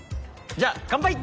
じゃあ乾杯！